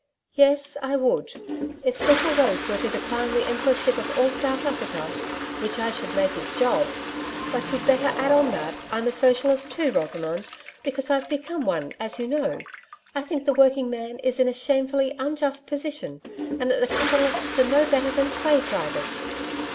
'Yes, I would if Cecil Rhodes were to decline the Emperorship of all South Africa which I should make his job.... But you'd better add on that I'm a Socialist too, Rosamond, because I've become one, as you know. I think the working man is in a shamefully unjust position, and that the capitalists are no better than slave drivers.'